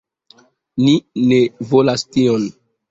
Ni ne volas tion.